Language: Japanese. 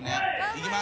いきます。